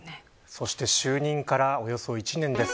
そして就任からおよそ１年です。